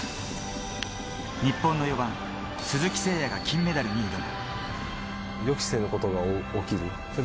日本の４番・鈴木誠也が金メダルに挑む。